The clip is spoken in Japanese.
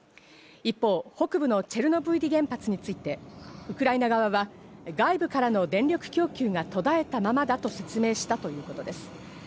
一方、北部のチェルノブイリ原発についてウクライナ側は外部からの電力供給が途絶えたままだと説明したということです。